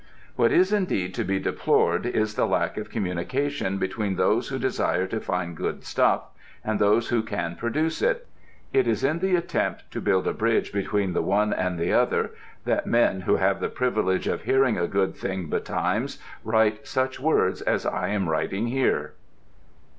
What is indeed to be deplored is the lack of communication between those who desire to find good stuff and those who can produce it: it is in the attempt to build a bridge between the one and the other that men who have the privilege of hearing a good thing betimes write such words as I am writing here.